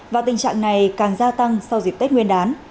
và tình trạng này càng gia tăng sau dịp tết nguyên đán